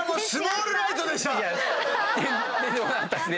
出てこなかったですね。